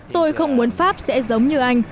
tôi không muốn pháp sẽ giống như anh